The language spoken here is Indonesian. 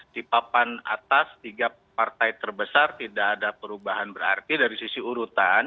di papan atas tiga partai terbesar tidak ada perubahan berarti dari sisi urutan